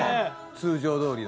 通常どおりの。